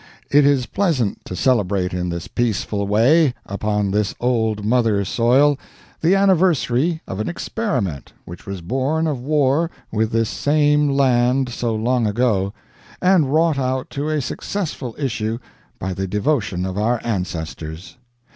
It is pleasant to celebrate in this peaceful way, upon this old mother soil, the anniversary of an experiment which was born of war with this same land so long ago, and wrought out to a successful issue by the devotion of our ancestors.